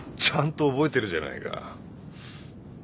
ちゃんと覚えてるじゃないか。